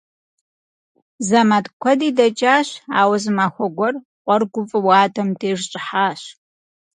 Зэман куэди дэкӀащ, ауэ зы махуэ гуэр къуэр гуфӀэу адэм деж щӀыхьащ.